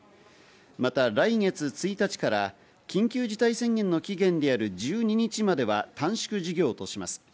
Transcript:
また来月１日から緊急事態宣言の期限である１２日までは短縮授業とします。